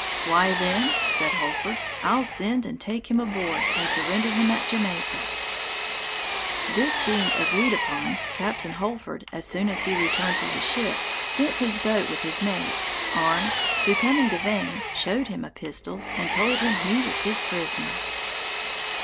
"Why then," said Holford, "I'll send and take him aboard, and surrender him at Jamaica." This being agreed upon, Captain Holford, as soon as he returned to his ship, sent his boat with his mate, armed, who coming to Vane, showed him a pistol, and told him he was his prisoner.